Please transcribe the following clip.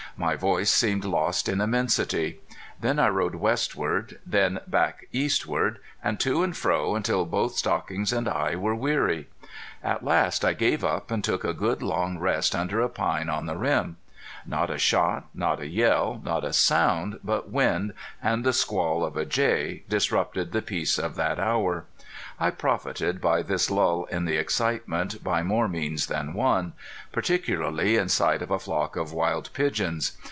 My voice seemed lost in immensity. Then I rode westward, then back eastward, and to and fro until both Stockings and I were weary. At last I gave up, and took a good, long rest under a pine on the rim. Not a shot, not a yell, not a sound but wind and the squall of a jay disrupted the peace of that hour. I profited by this lull in the excitement by more means than one, particularly in sight of a flock of wild pigeons.